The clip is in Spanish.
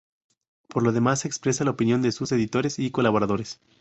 Por lo demás, expresa la opinión de sus editores y colaboradores.